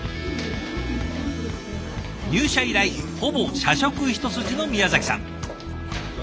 入社以来ほぼ社食一筋の宮崎さん。